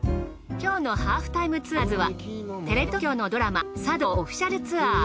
今日の『ハーフタイムツアーズ』はテレビ東京のドラマ『サ道』オフィシャルツアー。